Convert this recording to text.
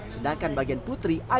sedangkan bagian putri